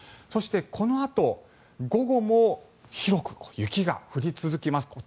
そして、このあと午後も広く雪が降り続きます。